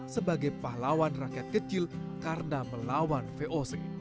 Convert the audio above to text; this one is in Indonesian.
sebagai pahlawan rakyat kecil karena melawan voc